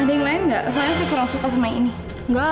ini ada yang lain nggak